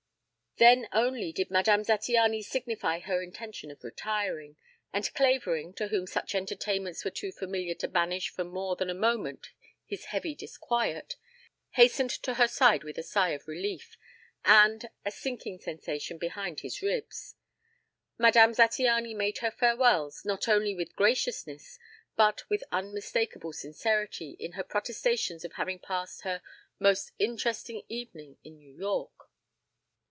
Then only did Madame Zattiany signify her intention of retiring, and Clavering, to whom such entertainments were too familiar to banish for more than a moment his heavy disquiet, hastened to her side with a sigh of relief and a sinking sensation behind his ribs. Madame Zattiany made her farewells not only with graciousness but with unmistakable sincerity in her protestations of having passed her "most interesting evening in New York."